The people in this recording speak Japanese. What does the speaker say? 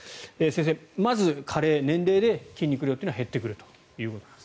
先生、まず加齢、年齢で筋肉量は減ってくると。